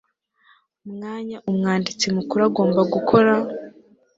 mwanya Umwanditsi Mukuru agomba gukora